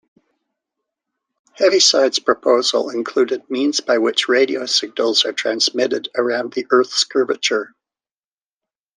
Heaviside's proposal included means by which radio signals are transmitted around the Earth's curvature.